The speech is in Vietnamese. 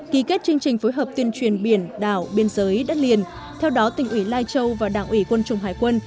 ký kết chương trình phối hợp tuyên truyền biển đảo biên giới đất liền theo đó tỉnh ủy lai châu và đảng ủy quân chủng hải quân